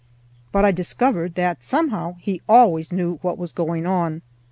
But I discovered that somehow he always knew what was going on.